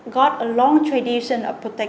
không thể tự nhận được